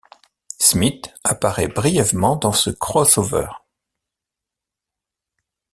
Smythe apparaît brièvement dans ce cross-over.